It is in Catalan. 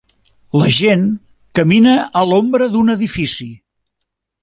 La gent camina a l'ombra d'un edifici.